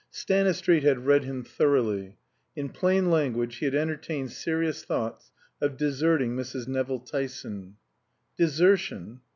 Stanistreet had read him thoroughly. In plain language he had entertained serious thoughts of deserting Mrs. Nevill Tyson. Desertion?